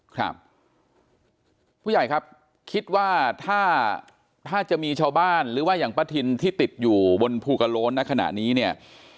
ครับผู้ใหญ่ครับคิดว่าถ้าถ้าจะมีชาวบ้านหรือว่าอย่างป้าทินที่ติดอยู่บนภูกระโล้นในขณะนี้เนี่ย